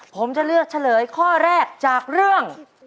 ผมจะเลือกเฉลยข้อแรกจากเรื่อง